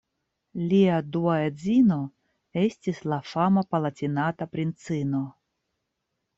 Lia dua edzino estis la fama Palatinata princino.